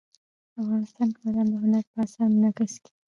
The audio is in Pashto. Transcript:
افغانستان کې بادام د هنر په اثار کې منعکس کېږي.